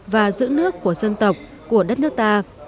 và giữ nước của dân tộc của đất nước ta